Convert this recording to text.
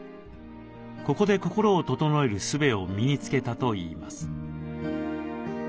ここで心を整えるすべを身につけたといいます。